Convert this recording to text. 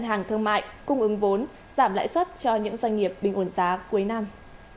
ngân hàng thương mại cung ứng vốn giảm lãi suất cho những doanh nghiệp bình ổn giá cuối năm